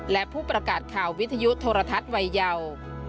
และผู้ประกาศข่าววิทยุโทรทัศน์วัยเยาว